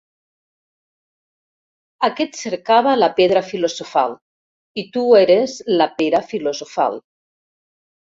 Aquest cercava la pedra filosofal i tu eres la pera filosofal.